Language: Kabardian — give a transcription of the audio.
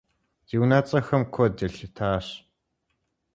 Ди унэцӀэхэм куэд елъытащ.